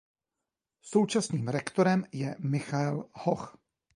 Současným rektorem je Michael Hoch.